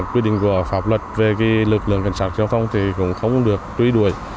quyết định của pháp luật về lực lượng cảnh sát giao thông thì cũng không được trúi đuổi